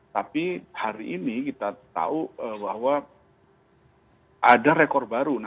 tapi hari ini kita tahu bahwa ada rekor baru